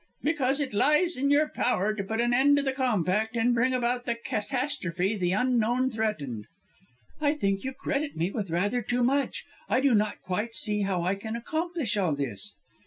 "Because it lies in your power to put an end to the Compact and bring about the catastrophe the Unknown threatened." "I think you credit me with rather too much. I do not quite see how I can accomplish all this?"